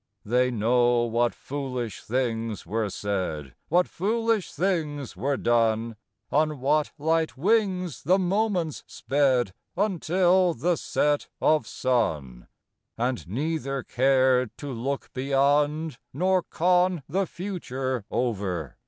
They know what foolish things were said, What foolish things were done, On what light wings the moments sped Until the set of sun ; And neither cared to look beyond, Nor con the future over, 58 THE FOUR LEAVED CLOVER.